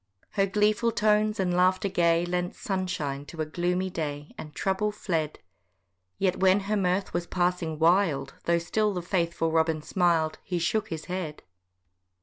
Her gleeful tones and laughter gay Lent sunshine to a gloomy day, And trouble fled: Yet when her mirth was passing wild, Though still the faithful Robin smil'd, He shook his head.